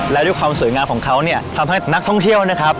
และด้วยความสวยงามของเขาเนี่ยทำให้นักท่องเที่ยวนะครับ